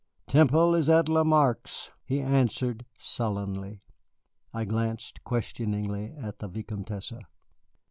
"Temple is at Lamarque's," he answered sullenly. I glanced questioningly at the Vicomtesse.